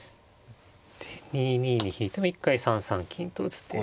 ２二に引いても一回３三金と打つ手。